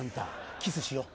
キスしよう。